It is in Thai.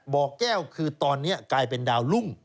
บ่อแก้วคือตอนนี้กลายเป็นดาวรุ่ง